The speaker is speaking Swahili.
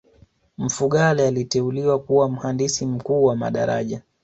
mfugale aliteuliwa kuwa mhandisi mkuu wa madaraja